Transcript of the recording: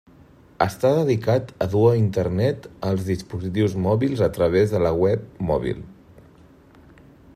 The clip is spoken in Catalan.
Està dedicat a dur Internet als dispositius mòbils a través de la Web Mòbil.